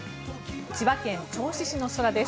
千葉県銚子市の空です。